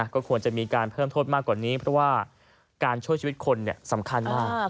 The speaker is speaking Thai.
ก็ควรจะมีการเพิ่มโทษมากกว่านี้เพราะว่าการช่วยชีวิตคนสำคัญมาก